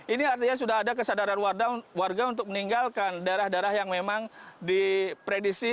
ini artinya sudah ada kesadaran warga untuk meninggalkan daerah daerah yang memang diprediksi